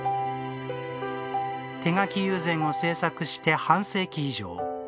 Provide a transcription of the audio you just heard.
手描き友禅を製作して半世紀以上。